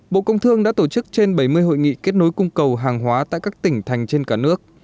bộ công thương đã tổ chức trên bảy mươi hội nghị kết nối cung cầu hàng hóa tại các tỉnh thành trên cả nước